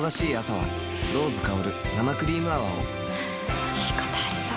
はぁいいことありそう。